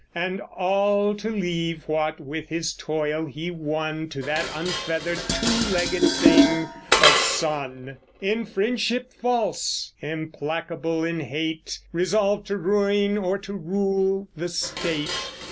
And all to leave what with his toil he won, To that unfeathered two legged thing, a son.... In friendship false, implacable in hate; Resolved to ruin or to rule the state